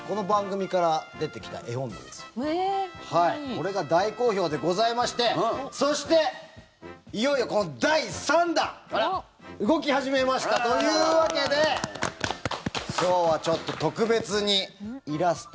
これが大好評でございましてそして、いよいよ今度、第３弾動き始めましたというわけで今日はちょっと特別にイラスト。